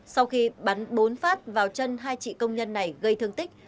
sau khi bắn bốn phát vào chân hai chị công nhân này gây thương tích